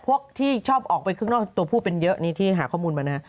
ที่ชอบออกไปข้างนอกตัวผู้เป็นเยอะนี่ที่หาข้อมูลมานะฮะ